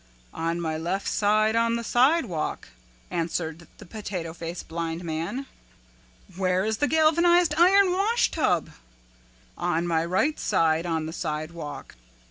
"On my left side on the sidewalk," answered the Potato Face Blind Man. "Where is the galvanized iron washtub?" "On my right side on the sidewalk."